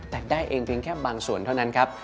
แต่ได้เองเพียงแค่บางส่วนเท่านั้นครับ